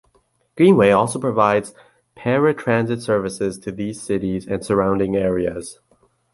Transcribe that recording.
Greenway also provides paratransit services to these cities and surrounding areas.